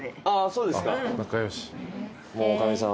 ああそうですか。